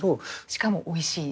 しかもおいしい。